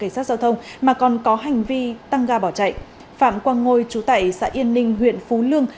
cảnh sát giao thông mà còn có hành vi tăng ga bỏ chạy phạm quang ngôi chú tại xã yên ninh huyện phú lương